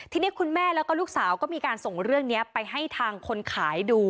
ทีนี้คุณแม่แล้วก็ลูกสาวก็มีการส่งเรื่องนี้ไปให้ทางคนขายดู